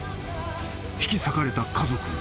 ［引き裂かれた家族］